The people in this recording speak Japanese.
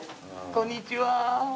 こんにちは。